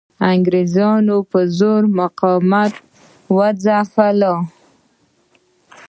انګریزانو په زور مقاومتونه وځپل.